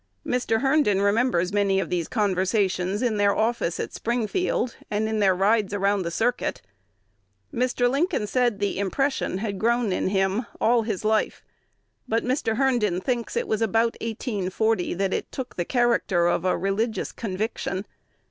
Mr. Herndon remembers many of these conversations in their office at Springfield, and in their rides around the circuit. Mr. Lincoln said the impression had grown in him "all his life;" but Mr. Herndon thinks it was about 1840 that it took the character of a "religious conviction."